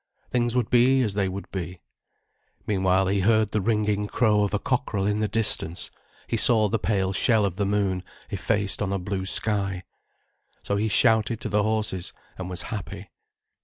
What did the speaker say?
Things would be as they would be. Meanwhile he heard the ringing crow of a cockerel in the distance, he saw the pale shell of the moon effaced on a blue sky. So he shouted to the horses, and was happy.